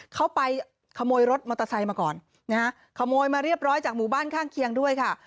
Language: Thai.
เขาไปขโมยรถมอเตอร์ไซค์มาก่อนนะฮะขโมยมาเรียบร้อยจากหมู่บ้านข้างเคียงด้วยค่ะ